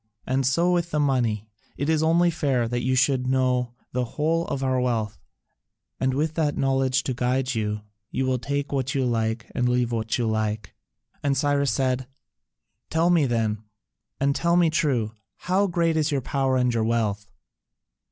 And so with the money: it is only fair that you should know the whole of our wealth, and with that knowledge to guide you, you will take what you like and leave what you like." And Cyrus said, "Tell me then, and tell me true: how great is your power and your wealth?"